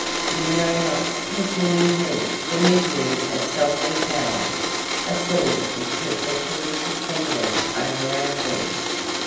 You know not," continued he, "the misery of sovereign power; a sword is perpetually suspended over our head.